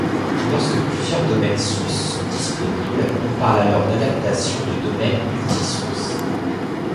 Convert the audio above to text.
Lorsque plusieurs domaines sources sont disponibles, on parle alors d’adaptation de domaine multi-sources.